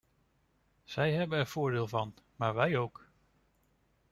Zij hebben er voordeel van, maar wij ook.